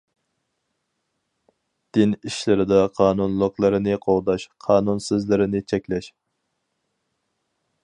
دىن ئىشلىرىدا قانۇنلۇقلىرىنى قوغداش، قانۇنسىزلىرىنى چەكلەش.